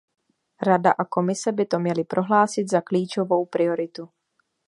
Rada a Komise by to měly prohlásit za klíčovou prioritu.